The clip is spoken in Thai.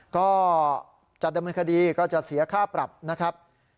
ก็จัดดำเนินคดีก็จะเสียค่าปรับนะครับ